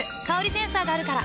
センサーがあるから。